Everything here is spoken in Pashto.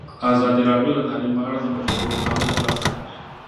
ازادي راډیو د تعلیم په اړه د مجلو مقالو خلاصه کړې.